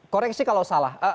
koreksi kalau salah